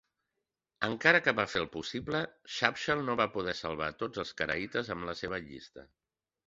Encara que va fer el possible, Shapshal no va poder salvar a tots els caraïtes amb la seva llista.